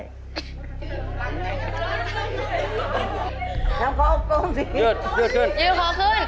ยืนขอขึ้นยืนขอขึ้น